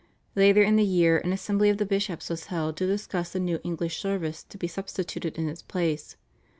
Later in the year an assembly of the bishops was held to discuss the new English service to be substituted in its place.